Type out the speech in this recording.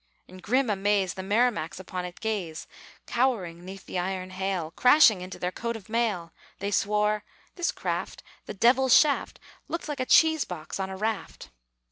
In grim amaze The Merrimacs upon it gaze, Cowering 'neath the iron hail, Crashing into their coat of mail; They swore "this craft, the devil's shaft, Looked like a cheese box on a raft."